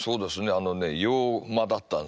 あのね洋間だったんですよ。